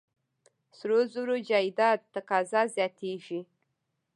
سرو زرو جایداد تقاضا زیاتېږي.